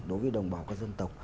đối với đồng bào các dân tộc